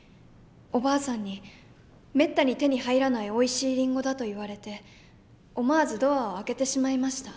おばあさんに「めったに手に入らないおいしいリンゴだ」と言われて思わずドアを開けてしまいました。